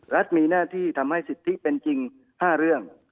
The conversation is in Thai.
รัฐมีหน้าที่ทำให้สิทธิเป็นจริง๕เรื่อง